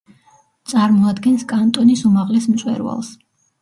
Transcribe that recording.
წარმოადგენს კანტონის უმაღლეს მწვერვალს.